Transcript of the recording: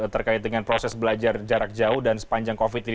terkait dengan proses belajar jarak jauh dan sepanjang covid ini